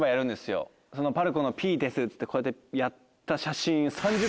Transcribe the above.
そのＰＡＲＣＯのＰですっつってこうやってやった写真。